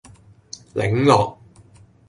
檸樂